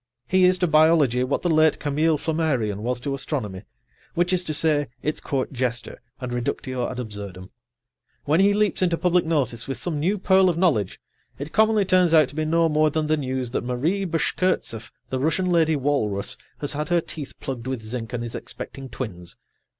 He is to biology what the late Camille Flammarion was to astronomy, which is to say, its court jester and reductio ad absurdum. When he leaps into public notice with some new pearl of knowledge, it commonly turns out to be no more than the news that Marie Bashkirtseff, the Russian lady walrus, has had her teeth plugged with zinc and is expecting twins.